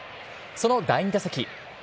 その第２打席。